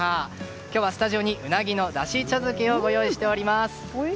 今日はスタジオにうなぎのだし茶漬けを用意しております。